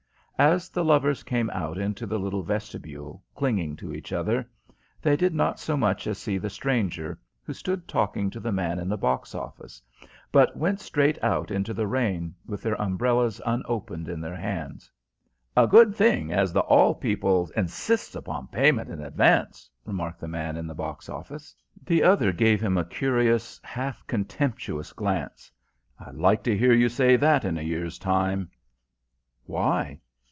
As the lovers came out into the little vestibule, clinging to each other, they did not so much as see the stranger, who stood talking to the man in the box office, but went straight on out into the rain, with their umbrellas unopened in their hands. "A good thing as the 'all people insists upon payment in advance," remarked the man in the box office. The other gave him a curious, half contemptuous glance. "I'd like to hear you say that in a year's time." "Why?"